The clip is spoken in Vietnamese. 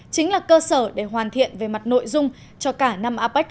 chính là cơ sở để hoàn thiện về mặt nội dung cho cả năm apec hai nghìn một mươi bảy